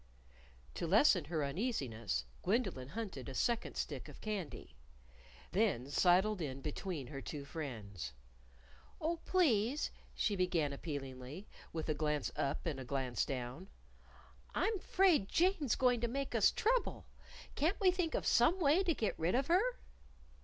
To lessen her uneasiness, Gwendolyn hunted a second stick of candy. Then sidled in between her two friends. "Oh, please," she began appealingly, with a glance up and a glance down, "I'm 'fraid Jane's going to make us trouble. Can't we think of some way to get rid of her?"